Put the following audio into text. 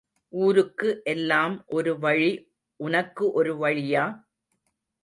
ஊருக்கு எல்லாம் ஒரு வழி உனக்கு ஒரு வழியா?